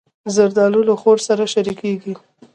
زردالو له خور سره شریکېږي.